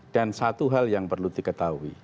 dan satu hal yang perlu diketahui